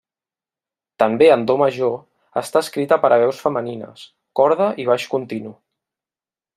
També en do major, està escrita per a veus femenines, corda i baix continu.